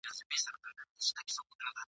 دوی به دواړه وي سپاره اولس به خر وي ..